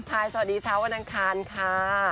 ถ้าถ่ายสวัสดีเช้าวันนั้นคันค่ะ